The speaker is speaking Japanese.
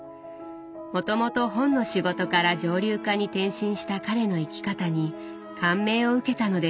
もともと本の仕事から蒸留家に転身した彼の生き方に感銘を受けたのです。